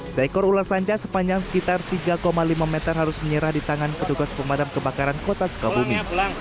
seekor ular sanca sepanjang sekitar tiga lima meter harus menyerah di tangan petugas pemadam kebakaran kota sukabumi